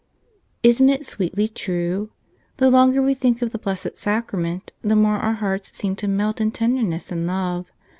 ISN'T it sweetly true? The longer we think of the Blessed Sacrament the more our hearts seem to melt in tenderness and love.